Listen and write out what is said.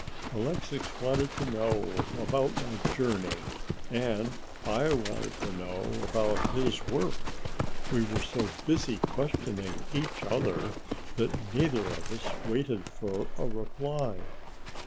Alexix wanted to know about my journey, and I wanted to know about his work; we were so busy questioning each other that neither of us waited for a reply.